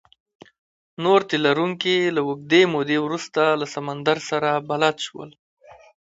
نور تي لرونکي له اوږدې مودې وروسته له سمندر سره بلد شول.